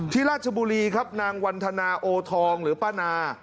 ราชบุรีครับนางวันธนาโอทองหรือป้านา